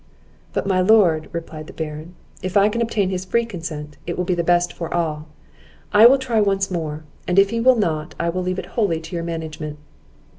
"But, my Lord," replied the Baron, "if I can obtain his free consent, it will be the best for all; I will try once more, and if he will not, I will leave it wholly to your management."